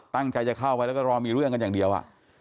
ตั้งใจจะเข้าไปแล้วก็รอมีเรื่องกันอย่างเดียว